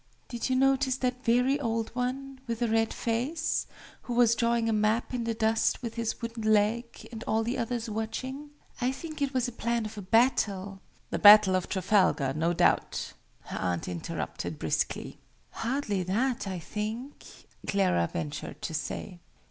"Did you notice that very old one, with a red face, who was drawing a map in the dust with his wooden leg, and all the others watching? I think it was a plan of a battle " "The battle of Trafalgar, no doubt," her aunt interrupted, briskly. "Hardly that, I think," Clara ventured to say.